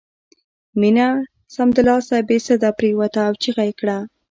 مينه سمدلاسه بې سده پرېوته او چيغه یې کړه